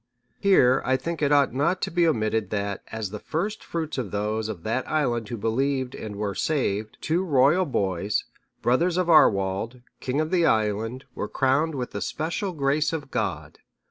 Here I think it ought not to be omitted that, as the first fruits of those of that island who believed and were saved, two royal boys, brothers to Arwald, king of the island,(637) were crowned with the special grace of God.